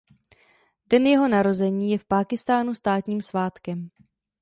Den jeho narození je v Pákistánu státním svátkem.